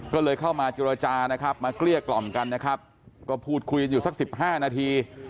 ก็เลยเข้ามาเจรจานะครับมาเกลี้ยกล่อมกันนะครับก็พูดคุยกันอยู่สักสิบห้านาที